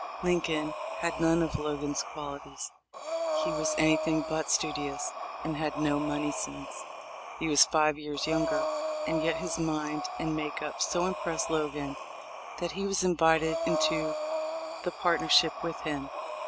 Lin coln had none of Logan's qualities. He was any thing but studious, and had no money sense. He was five years younger, and yet his mind and make up so impressed Logan that he was invited into the partnership with him.